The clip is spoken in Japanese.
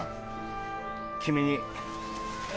君に。